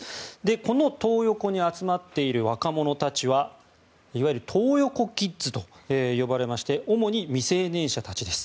このトー横に集まっている若者たちはいわゆるトー横キッズと呼ばれまして主に未成年者たちです。